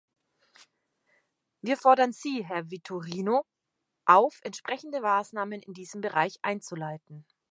Wir fordern Sie, Herr Vitorino auf, entsprechende Maßnahmen in diesem Bereich einzuleiten.